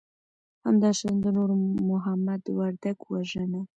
همدا شان د نور محمد وردک وژنه